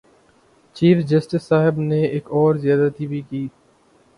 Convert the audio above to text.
Chief justice صاحب نے ایک اور زیادتی بھی کی۔